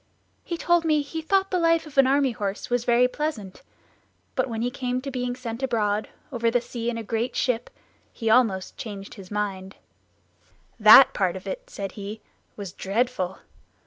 He told me he thought the life of an army horse was very pleasant; but when it came to being sent abroad over the sea in a great ship, he almost changed his mind. "That part of it," said he, "was dreadful!